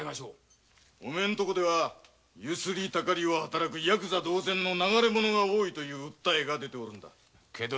お前のとこではユスリタカリを働くヤクザ同然の流れ者が多いという訴えが出ているんだ。